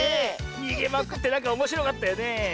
にげまくってなんかおもしろかったよね。